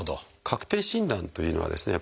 確定診断というのはですね